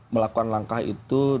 melakukan langkah itu